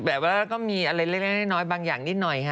แบบว่าก็มีอะไรเล็กน้อยบางอย่างนิดหน่อยค่ะ